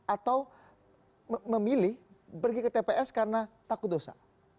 atau memilih pergi ke tps karena takut dosa